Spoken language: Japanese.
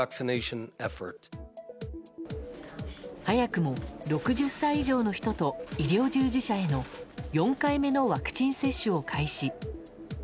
早くも６０歳以上の人と医療従事者への４回目のワクチン接種を開始。